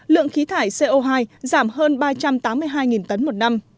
lượng khí thải co hai giảm hơn ba trăm tám mươi hai tấn một năm